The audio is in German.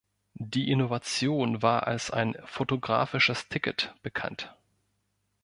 Die Innovation war als ein „fotografisches Ticket“ bekannt.